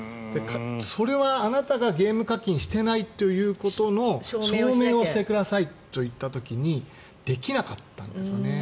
それはあなたがゲーム課金してないということの証明をしてくださいといった時にできなかったんですよね。